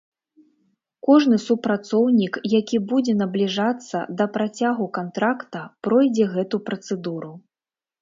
Кожны супрацоўнік, які будзе набліжацца да працягу кантракта, пройдзе гэту працэдуру.